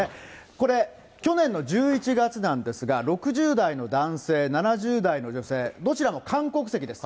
これ、去年の１１月なんですが、６０代の男性、７０代の女性、どちらも韓国籍です。